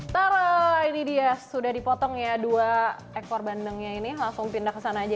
taruh ini dia sudah dipotong ya dua ekor bandengnya ini langsung pindah kesana aja